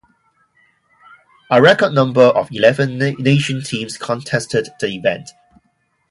A record number of eleven nation teams contested the event.